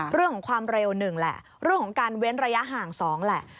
เรื่องของความเร็ว๑แหละเรื่องของการเว้นระยะห่าง๒แหละ